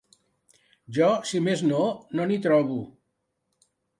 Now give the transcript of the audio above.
Jo, si més no, no n’hi trobo.